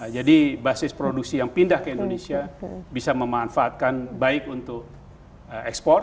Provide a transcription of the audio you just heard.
jadi basis produksi yang pindah ke indonesia bisa memanfaatkan baik untuk ekspor